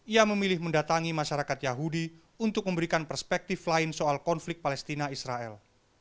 ia memilih mendatangi masyarakat yahudi untuk memberikan perspektif lain soal konflik palestina israel